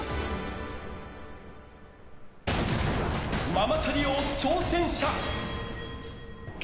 ママチャリ王挑戦者。